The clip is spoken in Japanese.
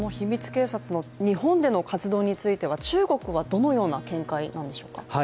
警察の日本での活動については中国はどのような見解なのでしょうか？